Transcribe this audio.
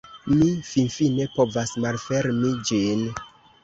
Mi finfine povas malfermi ĝin!